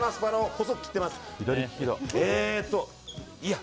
細く切っています。